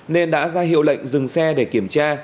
nên đã ra hiệu lệnh dừng xe để kiểm tra